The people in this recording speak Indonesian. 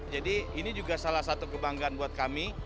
jadi ini juga salah satu kebanggaan buat kami